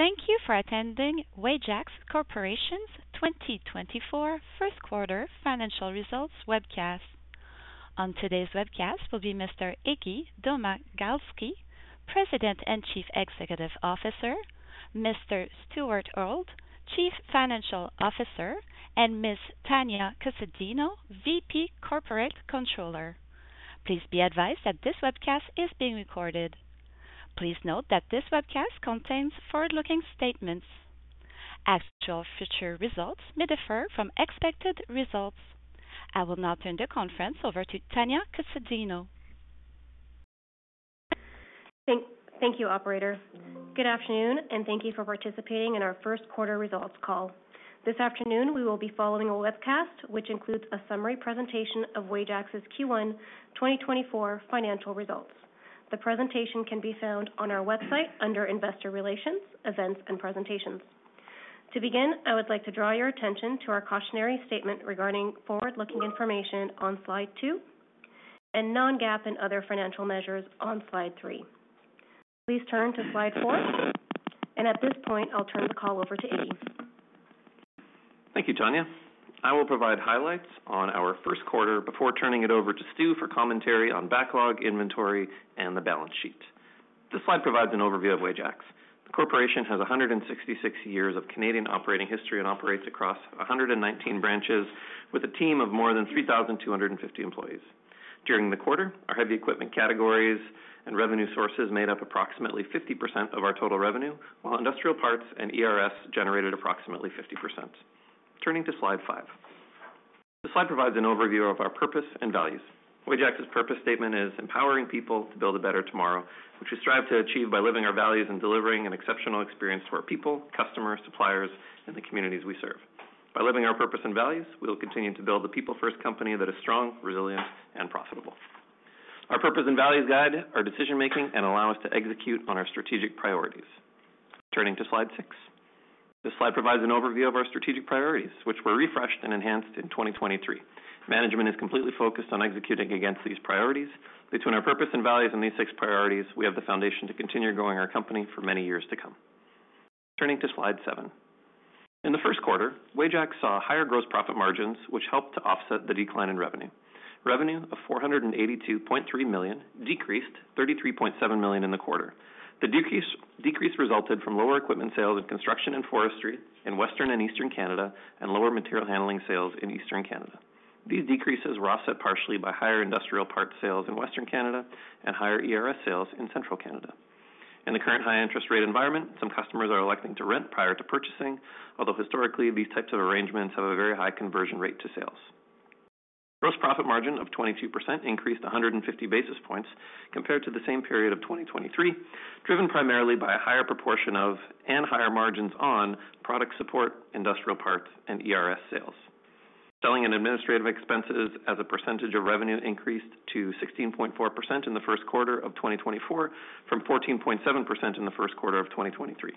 Thank you for attending Wajax Corporation's 2024 first quarter financial results webcast. On today's webcast will be Mr. Iggy Domagalski, President and Chief Executive Officer, Mr. Stuart Auld, Chief Financial Officer, and Ms. Tania Casadinho, VP Corporate Controller. Please be advised that this webcast is being recorded. Please note that this webcast contains forward-looking statements. Actual future results may differ from expected results. I will now turn the conference over to Tania Casadinho. Thank you, operator. Good afternoon, and thank you for participating in our first quarter results call. This afternoon, we will be following a webcast, which includes a summary presentation of Wajax's Q1 2024 financial results. The presentation can be found on our website under Investor Relations, Events and Presentations. To begin, I would like to draw your attention to our cautionary statement regarding forward-looking information on slide 2 and non-GAAP and other financial measures on slide 3. Please turn to slide 4, and at this point, I'll turn the call over to Iggy. Thank you, Tania. I will provide highlights on our first quarter before turning it over to Stu for commentary on backlog, inventory, and the balance sheet. This slide provides an overview of Wajax. The corporation has 166 years of Canadian operating history and operates across 119 branches with a team of more than 3,250 employees. During the quarter, our heavy equipment categories and revenue sources made up approximately 50% of our total revenue, while industrial parts and ERS generated approximately 50%. Turning to slide 5. This slide provides an overview of our purpose and values. Wajax's purpose statement is: Empowering people to build a better tomorrow, which we strive to achieve by living our values and delivering an exceptional experience to our people, customers, suppliers, and the communities we serve. By living our purpose and values, we will continue to build a people-first company that is strong, resilient, and profitable. Our purpose and values guide our decision-making and allow us to execute on our strategic priorities. Turning to slide 6. This slide provides an overview of our strategic priorities, which were refreshed and enhanced in 2023. Management is completely focused on executing against these priorities. Between our purpose and values and these six priorities, we have the foundation to continue growing our company for many years to come. Turning to slide 7. In the first quarter, Wajax saw higher gross profit margins, which helped to offset the decline in revenue. Revenue of 482.3 million decreased 33.7 million in the quarter. The decrease resulted from lower equipment sales in construction and forestry in Western and Eastern Canada, and lower material handling sales in Eastern Canada. These decreases were offset partially by higher industrial parts sales in Western Canada and higher ERS sales in Central Canada. In the current high interest rate environment, some customers are electing to rent prior to purchasing, although historically, these types of arrangements have a very high conversion rate to sales. Gross profit margin of 22% increased 150 basis points compared to the same period of 2023, driven primarily by a higher proportion of and higher margins on product support, industrial parts, and ERS sales. Selling and administrative expenses as a percentage of revenue increased to 16.4% in the first quarter of 2024 from 14.7% in the first quarter of 2023.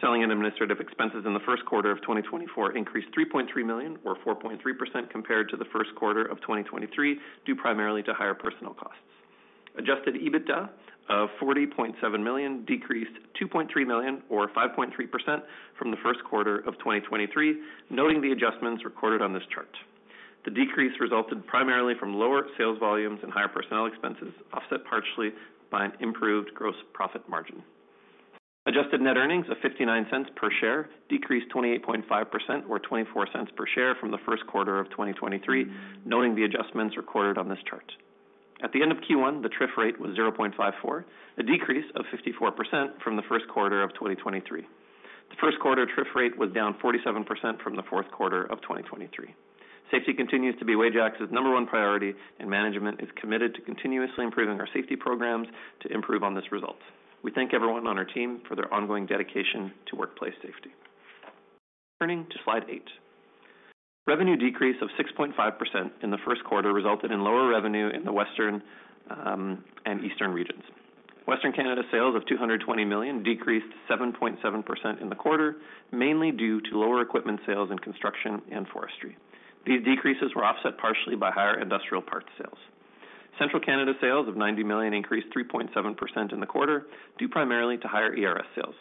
Selling and administrative expenses in the first quarter of 2024 increased 3.3 million, or 4.3% compared to the first quarter of 2023, due primarily to higher personnel costs. Adjusted EBITDA of 40.7 million decreased 2.3 million, or 5.3%, from the first quarter of 2023, noting the adjustments recorded on this chart. The decrease resulted primarily from lower sales volumes and higher personnel expenses, offset partially by an improved gross profit margin. Adjusted net earnings of 0.59 per share decreased 28.5% or 0.24 per share from the first quarter of 2023, noting the adjustments recorded on this chart. At the end of Q1, the TRIF rate was 0.54, a decrease of 54% from the first quarter of 2023. The first quarter TRIF rate was down 47% from the fourth quarter of 2023. Safety continues to be Wajax's number one priority, and management is committed to continuously improving our safety programs to improve on this result. We thank everyone on our team for their ongoing dedication to workplace safety. Turning to slide 8. Revenue decrease of 6.5% in the first quarter resulted in lower revenue in the Western and Eastern regions. Western Canada sales of 220 million decreased 7.7% in the quarter, mainly due to lower equipment sales in construction and forestry. These decreases were offset partially by higher industrial parts sales. Central Canada sales of 90 million increased 3.7% in the quarter, due primarily to higher ERS sales.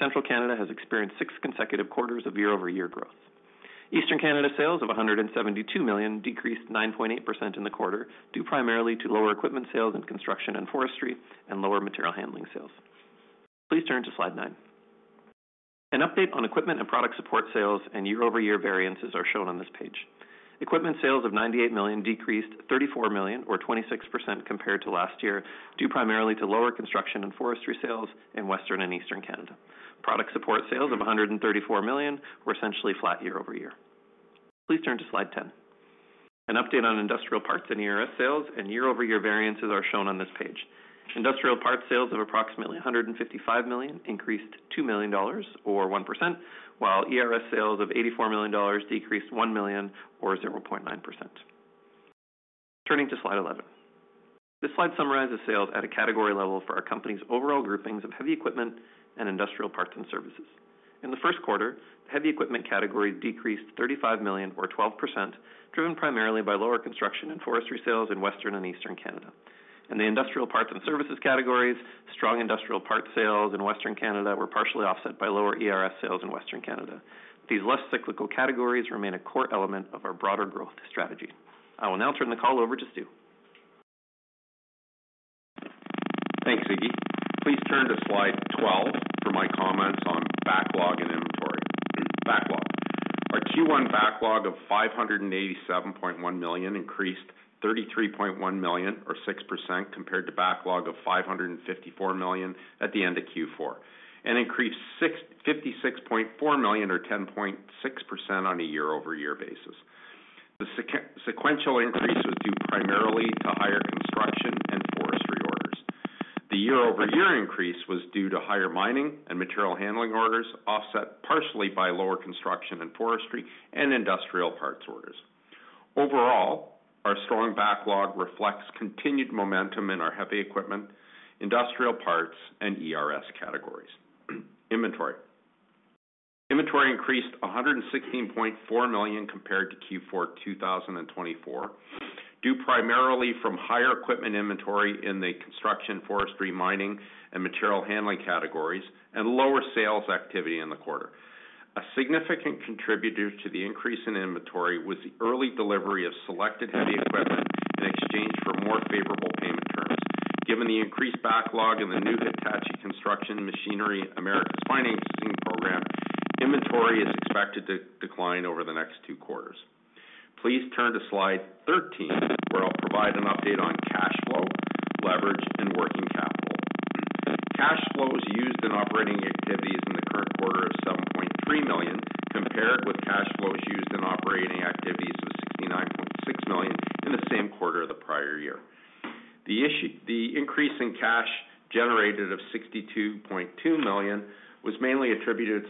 Central Canada has experienced 6 consecutive quarters of year-over-year growth. Eastern Canada sales of 172 million decreased 9.8% in the quarter, due primarily to lower equipment sales in construction and forestry and lower material handling sales. Please turn to slide 9. An update on equipment and product support sales and year-over-year variances are shown on this page. Equipment sales of 98 million decreased 34 million, or 26% compared to last year, due primarily to lower construction and forestry sales in Western and Eastern Canada. Product support sales of 134 million were essentially flat year over year. Please turn to slide 10. An update on industrial parts and ERS sales and year-over-year variances are shown on this page. Industrial parts sales of approximately 155 million increased 2 million dollars, or 1%, while ERS sales of 84 million dollars decreased 1 million, or 0.9%. Turning to slide 11. This slide summarizes sales at a category level for our company's overall groupings of heavy equipment and industrial parts and services. In the first quarter, the heavy equipment category decreased 35 million, or 12%, driven primarily by lower construction and forestry sales in Western and Eastern Canada. In the industrial parts and services categories, strong industrial parts sales in Western Canada were partially offset by lower ERS sales in Western Canada. These less cyclical categories remain a core element of our broader growth strategy. I will now turn the call over to Stu. Thanks, Iggy. Please turn to slide 12 for my comments on backlog and inventory. Backlog. Our Q1 backlog of 587.1 million increased 33.1 million, or 6%, compared to backlog of 554 million at the end of Q4, and increased 56.4 million or 10.6% on a year-over-year basis. The sequential increase was due primarily to higher construction and forestry orders. The year-over-year increase was due to higher mining and material handling orders, offset partially by lower construction and forestry and industrial parts orders. Overall, our strong backlog reflects continued momentum in our heavy equipment, industrial parts, and ERS categories. Inventory. Inventory increased 116.4 million compared to Q4 2024, due primarily from higher equipment inventory in the construction, forestry, mining, and material handling categories, and lower sales activity in the quarter. A significant contributor to the increase in inventory was the early delivery of selected heavy equipment in exchange for more favorable payment terms. Given the increased backlog in the new Hitachi Construction Machinery Americas financing program, inventory is expected to decline over the next two quarters. Please turn to slide 13, where I'll provide an update on cash flow, leverage, and working capital. Cash flows used in operating activities in the current quarter of 7.3 million, compared with cash flows used in operating activities of 69.6 million in the same quarter of the prior year. The increase in cash generated of 62.2 million was mainly attributed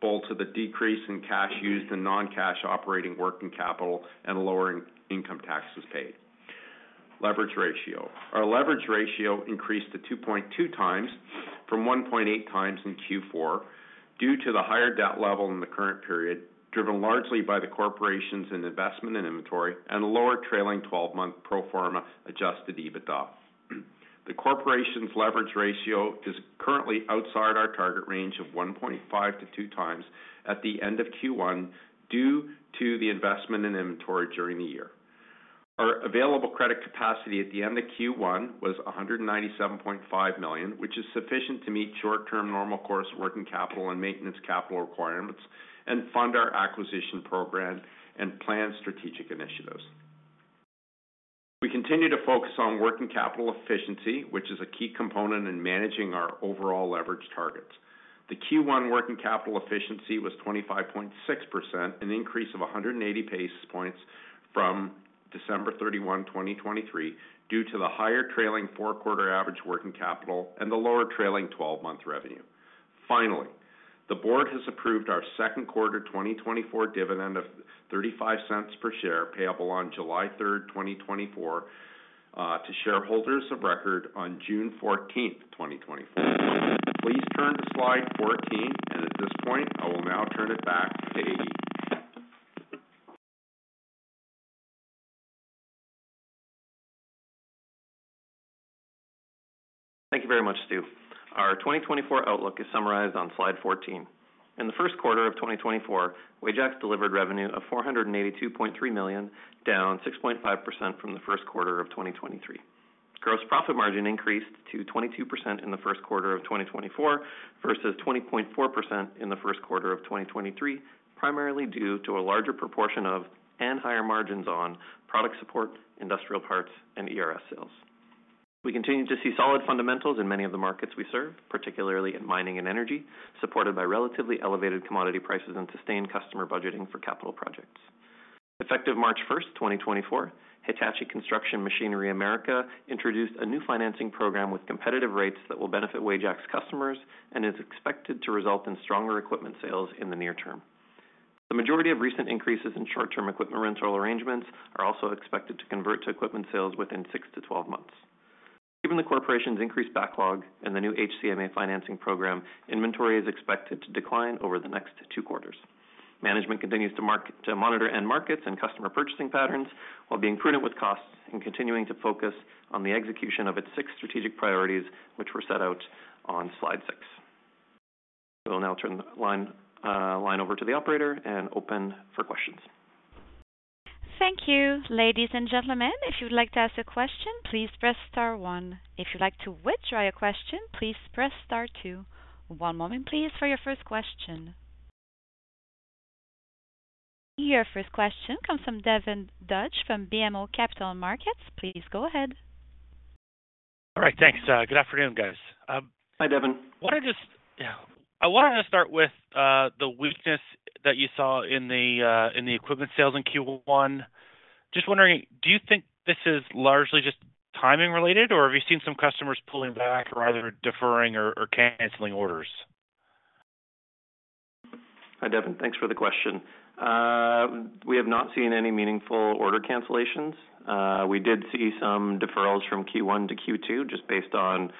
both to the decrease in cash used in non-cash operating working capital and lower income taxes paid. Leverage ratio. Our leverage ratio increased to 2.2x from 1.8x in Q4, due to the higher debt level in the current period, driven largely by the corporation's investment in inventory and a lower trailing twelve-month pro forma adjusted EBITDA. The corporation's leverage ratio is currently outside our target range of 1.5x-2x at the end of Q1, due to the investment in inventory during the year. Our available credit capacity at the end of Q1 was 197.5 million, which is sufficient to meet short-term normal course working capital and maintenance capital requirements, and fund our acquisition program and planned strategic initiatives. We continue to focus on working capital efficiency, which is a key component in managing our overall leverage targets. The Q1 working capital efficiency was 25.6%, an increase of 180 basis points from December 31, 2023, due to the higher trailing four quarter average working capital and the lower trailing twelve-month revenue. Finally, the board has approved our second quarter 2024 dividend of 0.35 per share, payable on July 3, 2024, to shareholders of record on June 14, 2024. Please turn to slide 14, and at this point, I will now turn it back to Iggy. Thank you very much, Stu. Our 2024 outlook is summarized on slide 14. In the first quarter of 2024, Wajax delivered revenue of 482.3 million, down 6.5% from the first quarter of 2023. Gross profit margin increased to 22% in the first quarter of 2024, versus 20.4% in the first quarter of 2023, primarily due to a larger proportion of and higher margins on product support, industrial parts, and ERS sales. We continue to see solid fundamentals in many of the markets we serve, particularly in mining and energy, supported by relatively elevated commodity prices and sustained customer budgeting for capital projects. Effective March first, 2024, Hitachi Construction Machinery Americas introduced a new financing program with competitive rates that will benefit Wajax customers and is expected to result in stronger equipment sales in the near term. The majority of recent increases in short-term equipment rental arrangements are also expected to convert to equipment sales within 6 months-12 months. Given the corporation's increased backlog and the new HCMA financing program, inventory is expected to decline over the next 2 quarters. Management continues to monitor end markets and customer purchasing patterns, while being prudent with costs and continuing to focus on the execution of its 6 strategic priorities, which were set out on slide 6. I will now turn the line over to the operator and open for questions. Thank you. Ladies and gentlemen, if you'd like to ask a question, please press star one. If you'd like to withdraw your question, please press star two. One moment please, for your first question. Your first question comes from Devin Dodge from BMO Capital Markets. Please go ahead. All right, thanks. Good afternoon, guys. Hi, Devin. I wanted to start with the weakness that you saw in the equipment sales in Q1. Just wondering, do you think this is largely just timing related, or have you seen some customers pulling back or either deferring or canceling orders? Hi, Devin. Thanks for the question. We have not seen any meaningful order cancellations. We did see some deferrals from Q1-Q2, just based on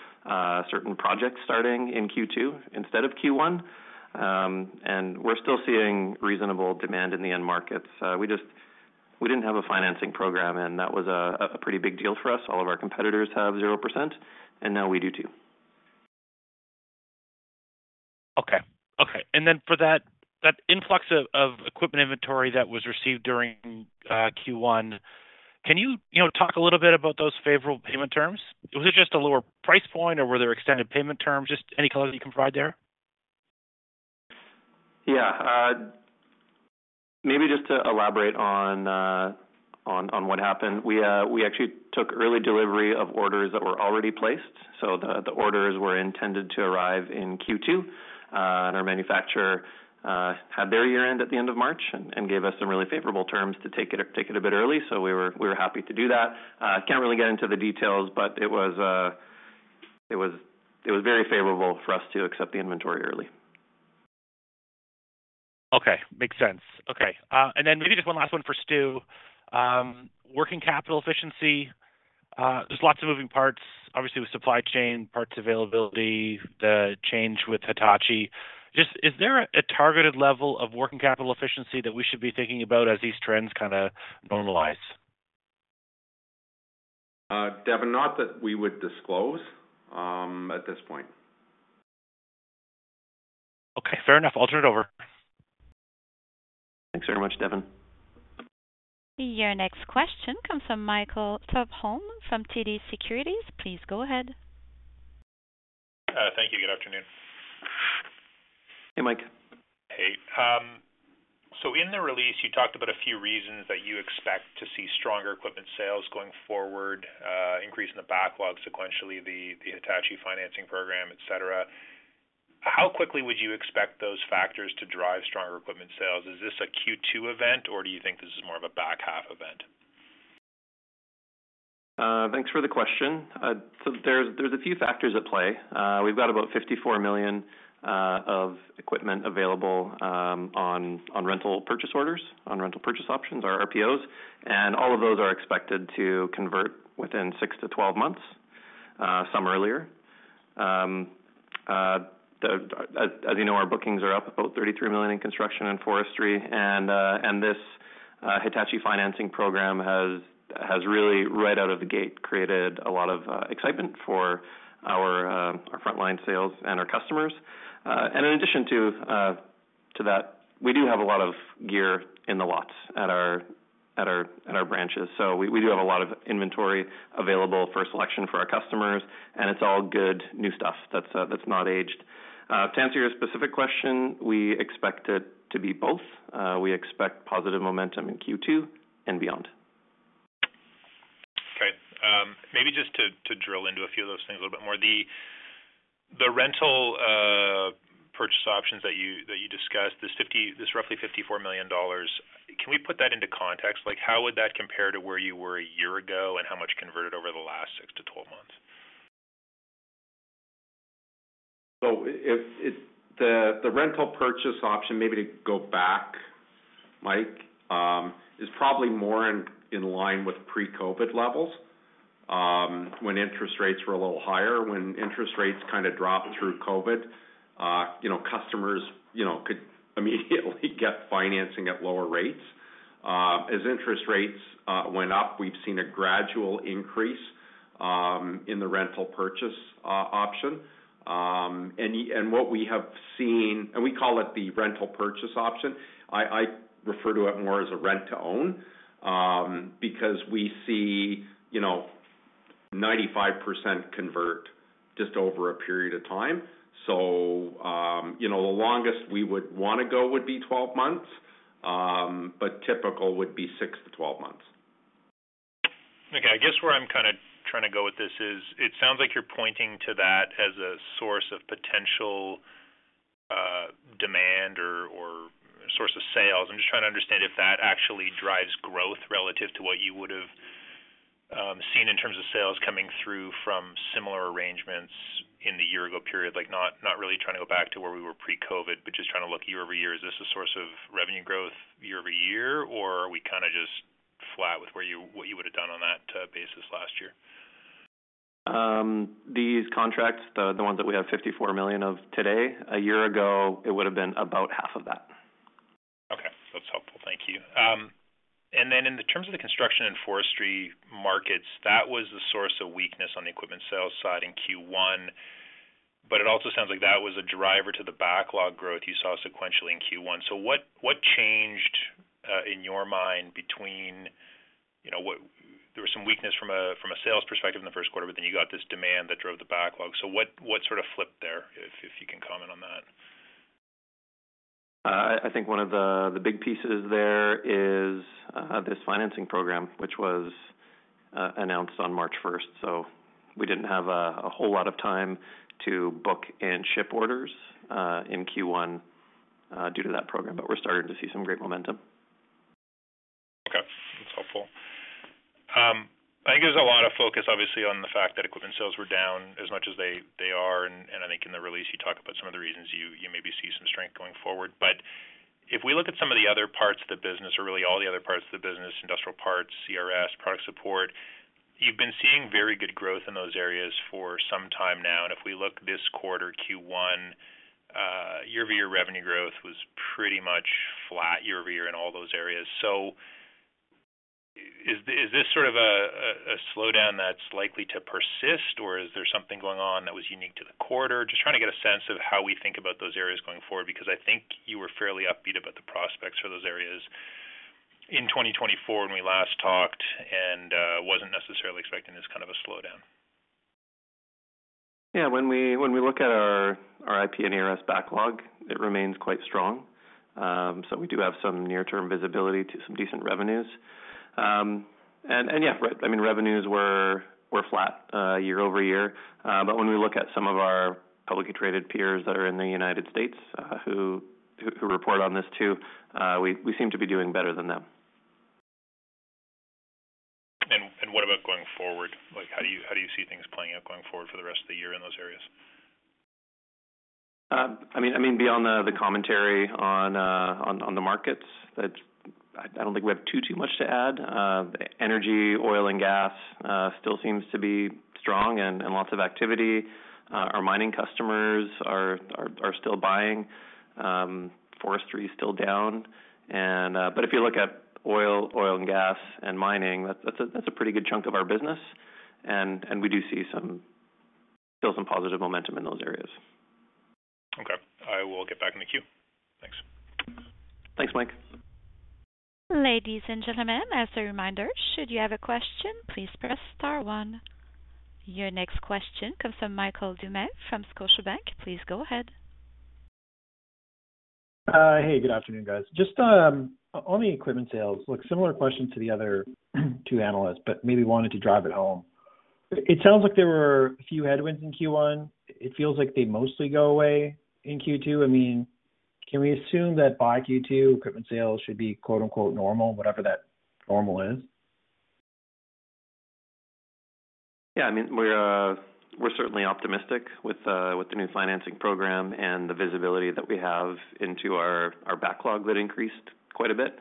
certain projects starting in Q2 instead of Q1. And we're still seeing reasonable demand in the end markets. We just—we didn't have a financing program, and that was a pretty big deal for us. All of our competitors have 0%, and now we do, too. Okay. Okay, and then for that, that influx of, of equipment inventory that was received during Q1, can you, you know, talk a little bit about those favorable payment terms? Was it just a lower price point, or were there extended payment terms? Just any color you can provide there. Yeah. Maybe just to elaborate on what happened. We actually took early delivery of orders that were already placed, so the orders were intended to arrive in Q2. Our manufacturer had their year-end at the end of March and gave us some really favorable terms to take it a bit early, so we were happy to do that. Can't really get into the details, but it was very favorable for us to accept the inventory early. Okay, makes sense. Okay, and then maybe just one last one for Stu. Working capital efficiency, there's lots of moving parts, obviously, with supply chain, parts availability, the change with Hitachi. Just, is there a targeted level of working capital efficiency that we should be thinking about as these trends kinda normalize? Devin, not that we would disclose at this point. Okay, fair enough. I'll turn it over. Thanks very much, Devin. Your next question comes from Michael Tupholme from TD Securities. Please go ahead. Thank you. Good afternoon. Hey, Mike. Hey, so in the release, you talked about a few reasons that you expect to see stronger equipment sales going forward, increase in the backlog sequentially, the Hitachi financing program, et cetera. How quickly would you expect those factors to drive stronger equipment sales? Is this a Q2 event, or do you think this is more of a back half event? Thanks for the question. So there's a few factors at play. We've got about 54 million of equipment available on rental purchase orders, on rental purchase options, or RPOs, and all of those are expected to convert within 6 months-12 months, some earlier. As you know, our bookings are up about 33 million in construction and forestry, and this Hitachi financing program has really, right out of the gate, created a lot of excitement for our frontline sales and our customers. And in addition to that, we do have a lot of gear in the lots at our branches. We do have a lot of inventory available for selection for our customers, and it's all good, new stuff that's not aged. To answer your specific question, we expect it to be both. We expect positive momentum in Q2 and beyond. Okay. Maybe just to drill into a few of those things a little bit more. The rental purchase options that you discussed, this roughly 54 million dollars, can we put that into context? Like, how would that compare to where you were a year ago, and how much converted over the last 6 months-12 months? So if the rental purchase option, maybe to go back, Mike, is probably more in line with pre-COVID levels, when interest rates were a little higher. When interest rates kinda dropped through COVID, you know, customers, you know, could immediately get financing at lower rates. As interest rates went up, we've seen a gradual increase in the rental purchase option. And we call it the rental purchase option. I refer to it more as a rent-to-own, because we see, you know, 95% convert just over a period of time. So, you know, the longest we would wanna go would be 12 months, but typical would be 6 months-12 months. Okay, I guess where I'm kinda trying to go with this is, it sounds like you're pointing to that as a source of potential, demand or source of sales. I'm just trying to understand if that actually drives growth relative to what you would've seen in terms of sales coming through from similar arrangements in the year ago period. Like, not really trying to go back to where we were pre-COVID, but just trying to look year-over-year. Is this a source of revenue growth year-over-year, or are we kinda just flat with where you-- what you would have done on that basis last year? These contracts, the ones that we have 54 million of today, a year ago, it would've been about CAD 27 million. Okay. That's helpful. Thank you. And then in terms of the construction and forestry markets, that was the source of weakness on the equipment sales side in Q1, but it also sounds like that was a driver to the backlog growth you saw sequentially in Q1. So what changed in your mind between, you know, what there was some weakness from a sales perspective in the first quarter, but then you got this demand that drove the backlog. So what sort of flipped there, if you can comment on that? I think one of the big pieces there is this financing program, which was announced on March first. So we didn't have a whole lot of time to book and ship orders in Q1 due to that program, but we're starting to see some great momentum. Helpful. I think there's a lot of focus, obviously, on the fact that equipment sales were down as much as they are, and I think in the release, you talk about some of the reasons you maybe see some strength going forward. But if we look at some of the other parts of the business or really all the other parts of the business, industrial parts, ERS, product support, you've been seeing very good growth in those areas for some time now. And if we look this quarter, Q1, year-over-year revenue growth was pretty much flat year-over-year in all those areas. So is this sort of a slowdown that's likely to persist, or is there something going on that was unique to the quarter? Just trying to get a sense of how we think about those areas going forward, because I think you were fairly upbeat about the prospects for those areas in 2024 when we last talked and wasn't necessarily expecting this kind of a slowdown. Yeah, when we look at our IP and ERS backlog, it remains quite strong. So we do have some near-term visibility to some decent revenues. And yeah, right, I mean, revenues were flat year-over-year. But when we look at some of our publicly traded peers that are in the United States, who report on this too, we seem to be doing better than them. What about going forward? Like, how do you see things playing out going forward for the rest of the year in those areas? I mean, beyond the commentary on the markets, that's—I don't think we have too much to add. Energy, oil and gas, still seems to be strong and lots of activity. Our mining customers are still buying. Forestry is still down, and. But if you look at oil and gas and mining, that's a pretty good chunk of our business, and we do see some still some positive momentum in those areas. Okay. I will get back in the queue. Thanks. Thanks, Mike. Ladies and gentlemen, as a reminder, should you have a question, please press star one. Your next question comes from Michael Doumet from Scotiabank. Please go ahead. Hey, good afternoon, guys. Just, on the equipment sales, look, similar question to the other two analysts, but maybe wanted to drive it home. It sounds like there were a few headwinds in Q1. It feels like they mostly go away in Q2. I mean, can we assume that by Q2, equipment sales should be, quote, unquote, normal, whatever that normal is? Yeah, I mean, we're certainly optimistic with the new financing program and the visibility that we have into our backlog that increased quite a bit.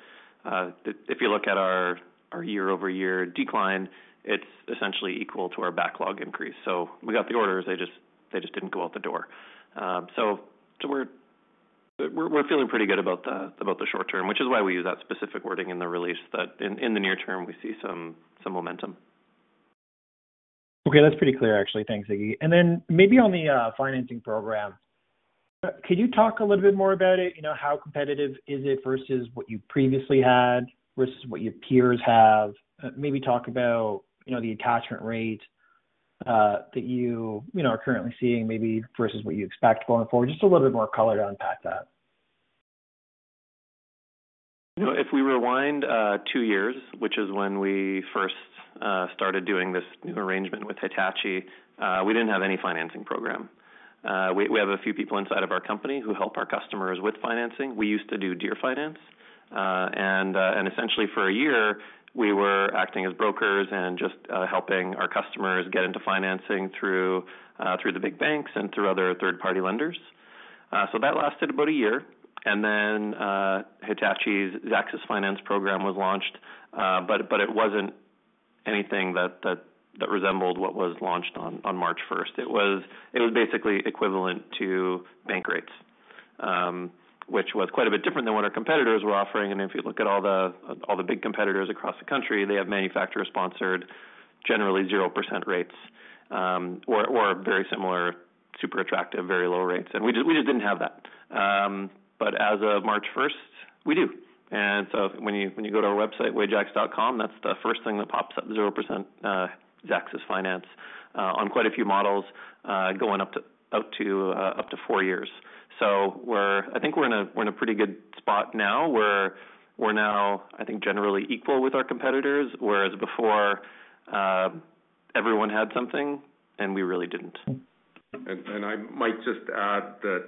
If you look at our year-over-year decline, it's essentially equal to our backlog increase. So we got the orders, they just didn't go out the door. So we're feeling pretty good about the short term, which is why we use that specific wording in the release, in the near term, we see some momentum. Okay, that's pretty clear, actually. Thanks, Iggy. And then maybe on the financing program, could you talk a little bit more about it? You know, how competitive is it versus what you previously had, versus what your peers have? Maybe talk about, you know, the attachment rate, that you, you know, are currently seeing, maybe versus what you expect going forward. Just a little bit more color to unpack that. You know, if we rewind two years, which is when we first started doing this new arrangement with Hitachi, we didn't have any financing program. We have a few people inside of our company who help our customers with financing. We used to do Deere Finance. And essentially for a year, we were acting as brokers and just helping our customers get into financing through the big banks and through other third-party lenders. So that lasted about a year, and then Hitachi's Zaxis Finance program was launched. But it wasn't anything that resembled what was launched on March first. It was basically equivalent to bank rates, which was quite a bit different than what our competitors were offering. If you look at all the big competitors across the country, they have manufacturer-sponsored, generally 0% rates, or very similar, super attractive, very low rates. We just didn't have that. But as of March 1st, we do. So when you go to our website, wajax.com, that's the first thing that pops up, 0%, Zaxis Finance, on quite a few models, going up to 4 years. So we're. I think we're in a pretty good spot now, where we now, I think, generally equal with our competitors, whereas before, everyone had something and we really didn't. And I might just add that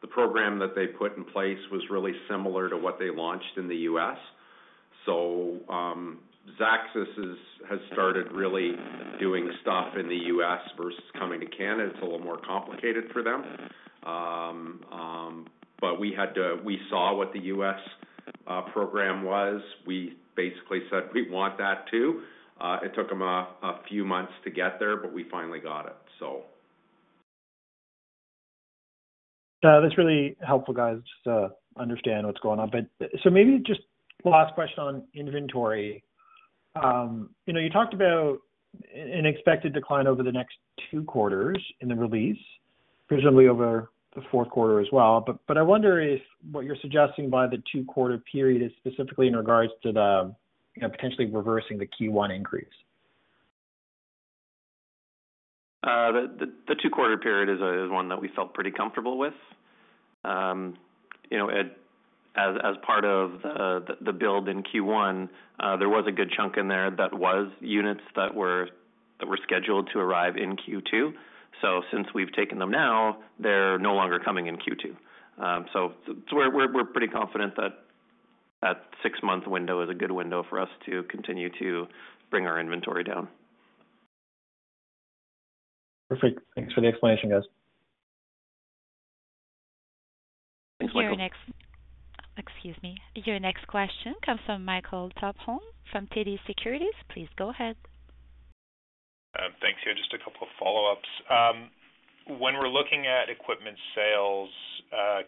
the program that they put in place was really similar to what they launched in the U.S. So, Zaxis has started really doing stuff in the U.S. versus coming to Canada. It's a little more complicated for them. But we had to - we saw what the U.S. program was. We basically said: We want that, too. It took them a few months to get there, but we finally got it, so... That's really helpful, guys, just to understand what's going on. So maybe just last question on inventory. You know, you talked about an expected decline over the next two quarters in the release, presumably over the fourth quarter as well. But I wonder if what you're suggesting by the two-quarter period is specifically in regards to the, you know, potentially reversing the Q1 increase. The two-quarter period is one that we felt pretty comfortable with. You know, as part of the build in Q1, there was a good chunk in there that was units that were scheduled to arrive in Q2. So since we've taken them now, they're no longer coming in Q2. So we're pretty confident that that six-month window is a good window for us to continue to bring our inventory down. Perfect. Thanks for the explanation, guys. Your next-- Excuse me. Your next question comes from Michael Tupholme from TD Securities. Please go ahead. Thanks. Yeah, just a couple of follow-ups. When we're looking at equipment sales,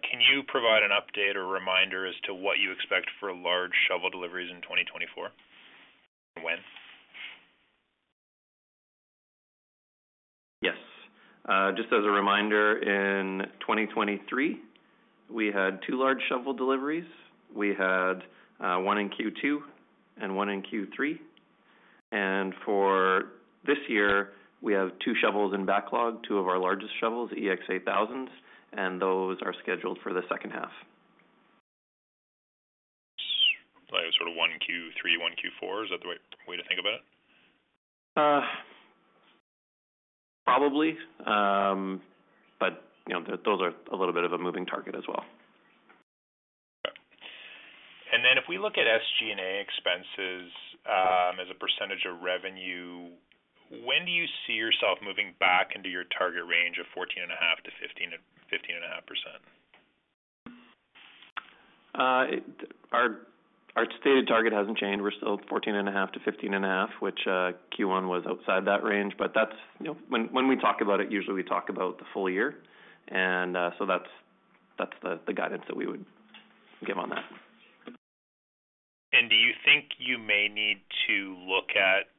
can you provide an update or reminder as to what you expect for large shovel deliveries in 2024, and when? Yes. Just as a reminder, in 2023, we had two large shovel deliveries. We had one in Q2 and one in Q3. For this year, we have two shovels in backlog, two of our largest shovels, EX8000, and those are scheduled for the second half. So sort of one Q3, one Q4, is that the right way to think about it? Probably. But, you know, those are a little bit of a moving target as well. Then, if we look at SG&A expenses as a percentage of revenue, when do you see yourself moving back into your target range of 14.5%-15.5%? Our stated target hasn't changed. We're still 14.5%-15.5%, which Q1 was outside that range. But that's, you know, when we talk about it, usually we talk about the full year. And so that's the guidance that we would give on that. Do you think you may need to look at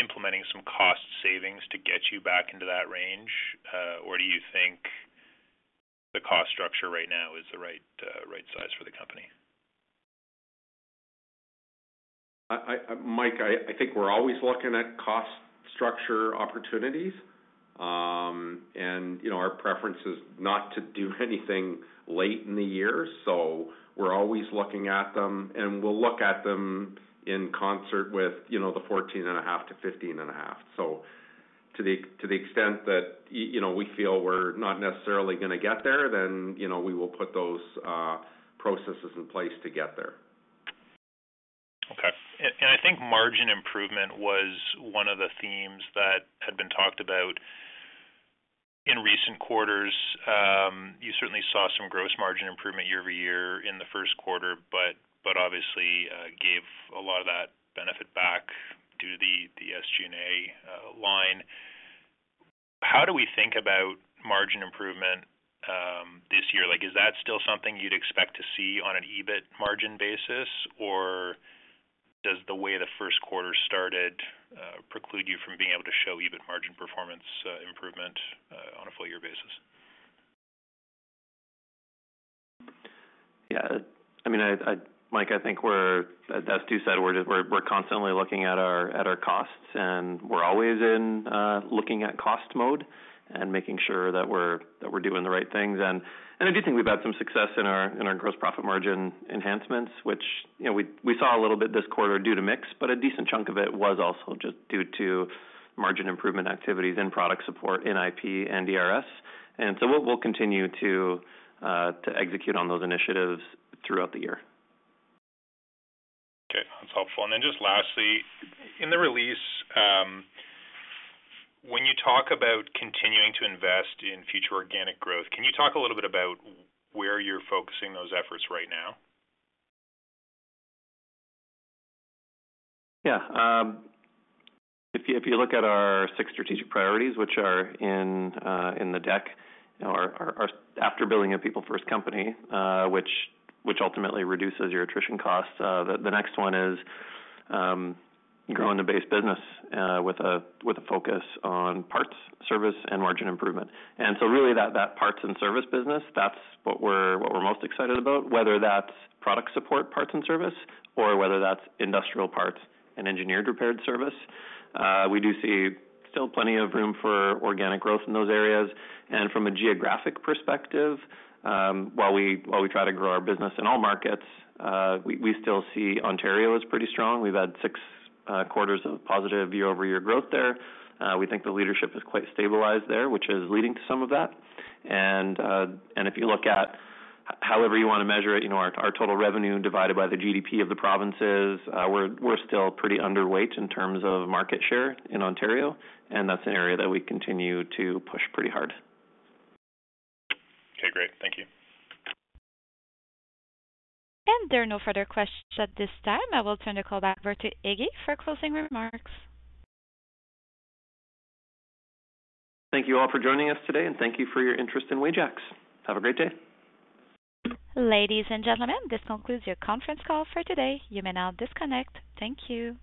implementing some cost savings to get you back into that range? Or do you think the cost structure right now is the right, right size for the company? Mike, I think we're always looking at cost structure opportunities. And, you know, our preference is not to do anything late in the year, so we're always looking at them, and we'll look at them in concert with, you know, the 14.5%-15.5%. So to the extent that, you know, we feel we're not necessarily gonna get there, then, you know, we will put those processes in place to get there. Okay. I think margin improvement was one of the themes that had been talked about in recent quarters. You certainly saw some gross margin improvement year over year in the first quarter, but obviously gave a lot of that benefit back due to the SG&A line. How do we think about margin improvement this year? Like, is that still something you'd expect to see on an EBIT margin basis, or does the way the first quarter started preclude you from being able to show EBIT margin performance improvement on a full year basis? Yeah. I mean, Mike, I think we're, as Stu said, we're constantly looking at our costs, and we're always looking at cost mode and making sure that we're doing the right things. And I do think we've had some success in our gross profit margin enhancements, which, you know, we saw a little bit this quarter due to mix, but a decent chunk of it was also just due to margin improvement activities and product support in IP and ERS. And so we'll continue to execute on those initiatives throughout the year. Okay, that's helpful. And then just lastly, in the release, when you talk about continuing to invest in future organic growth, can you talk a little bit about where you're focusing those efforts right now? Yeah. If you look at our six strategic priorities, which are in the deck, you know, after building a people-first company, which ultimately reduces your attrition costs, the next one is growing the base business with a focus on parts, service, and margin improvement. And so really, that parts and service business, that's what we're most excited about, whether that's product support parts and service or whether that's industrial parts and engineered repair services. We do see still plenty of room for organic growth in those areas. And from a geographic perspective, while we try to grow our business in all markets, we still see Ontario is pretty strong. We've had six quarters of positive year-over-year growth there. We think the leadership is quite stabilized there, which is leading to some of that. And if you look at however you want to measure it, you know, our total revenue divided by the GDP of the provinces, we're still pretty underweight in terms of market share in Ontario, and that's an area that we continue to push pretty hard. Okay, great. Thank you. There are no further questions at this time. I will turn the call back over to Iggy for closing remarks. Thank you all for joining us today, and thank you for your interest in Wajax. Have a great day. Ladies and gentlemen, this concludes your conference call for today. You may now disconnect. Thank you.